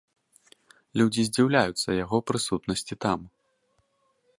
Людзі здзіўляюцца яго прысутнасці там.